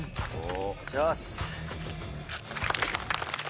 お願いします。